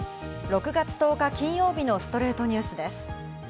６月１０日、金曜日の『ストレイトニュース』です。